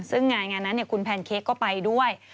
ซึ่งงานนั้นคุณแพนเค้กก็ไปด้วย